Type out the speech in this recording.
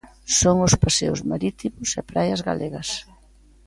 Son os paseos marítimos e praias galegas.